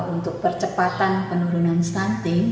untuk percepatan penurunan stunting